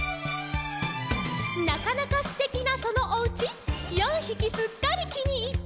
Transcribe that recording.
「なかなかすてきなそのおうち」「よんひきすっかりきにいって」